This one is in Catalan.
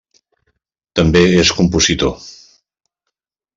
També és compositor.